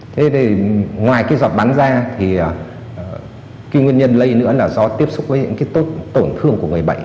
thế thì ngoài cái giọt bắn ra thì cái nguyên nhân lây nữa là do tiếp xúc với những cái tốt tổn thương của người bệnh